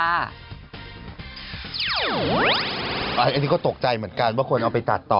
อันนี้ก็ตกใจเหมือนกันว่าคนเอาไปตัดต่อ